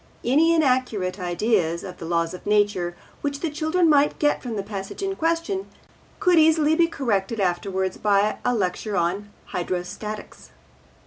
Any inaccurate ideas of the laws of nature which the children might get from the passage in question could easily be corrected afterwards by a lecture on Hydrostatics.